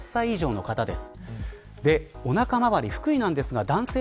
１８歳以上の方です。